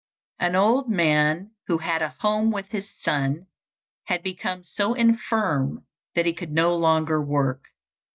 An old man who had a home with his son had become so infirm that he could no longer work.